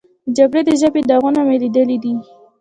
د جګړې د ژبې داغونه مې لیدلي دي.